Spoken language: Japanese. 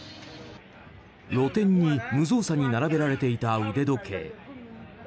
露店に無造作に並べられていた腕時計。